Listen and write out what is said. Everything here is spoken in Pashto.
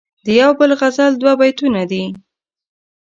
دیو بل غزل دوه بیتونه دي..